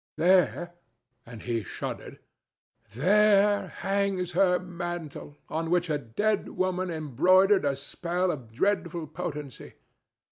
There"—and he shuddered—"there hangs her mantle, on which a dead woman embroidered a spell of dreadful potency.